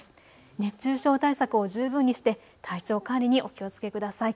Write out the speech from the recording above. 熱中症対策を十分にして体調管理にお気をつけください。